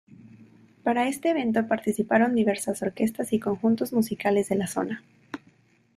Para este evento participaron diversas orquestas y conjuntos musicales de la zona.